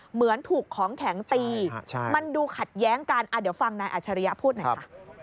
เหมือนถูกของแข็งตีมันดูขัดแย้งกันเดี๋ยวฟังนายอัชริยะพูดหน่อยค่ะ